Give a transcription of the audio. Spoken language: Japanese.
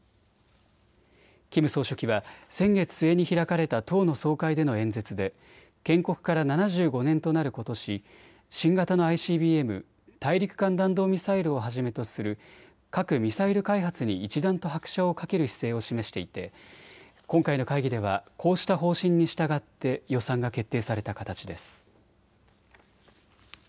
キム総書記は先月末に開かれた党の総会での演説で建国から７５年となることし、新型のＩＣＢＭ・大陸間弾道ミサイルをはじめとする核・ミサイル開発に一段と拍車をかける姿勢を示していて今回の会議ではこうした方針に従って予算が決定された形です。